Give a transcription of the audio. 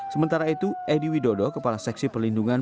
sementara itu edy widodo kepala seksi pelindungan